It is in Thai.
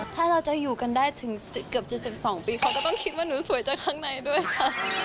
ถ้าเราจะอยู่กันได้ถึงเกือบ๗๒ปีเขาก็ต้องคิดว่าหนูสวยจากข้างในด้วยค่ะ